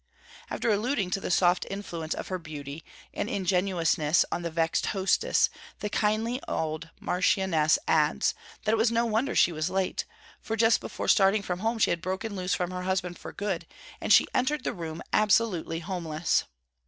After alluding to the soft influence of her beauty and ingenuousness on the vexed hostess, the kindly old marchioness adds, that it was no wonder she was late, 'for just before starting from home she had broken loose from her husband for good, and she entered the room absolutely houseless!'